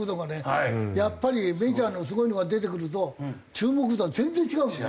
やっぱりメジャーのすごいのが出てくると注目度が全然違うもんね。